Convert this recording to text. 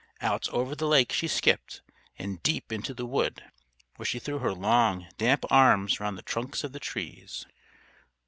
Out over the lake she skipped and deep into the wood, where she threw her long, damp arms round the trunks of the trees.